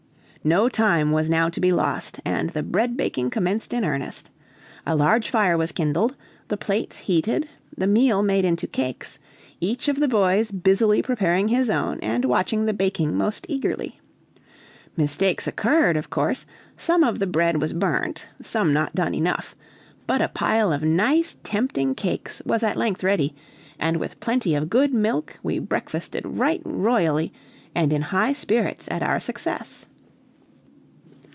No time was now to be lost, and the bread baking commenced in earnest. A large fire was kindled, the plates heated, the meal made into cakes, each of the boys busily preparing his own, and watching the baking most eagerly. Mistakes occurred, of course; some of the bread was burnt, some not done enough; but a pile of nice, tempting cakes was at length ready, and with plenty of good milk we breakfasted right royally, and in high spirits at our success.